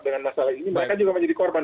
dengan masalah ini mereka juga menjadi korban